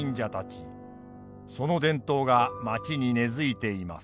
その伝統が町に根づいています。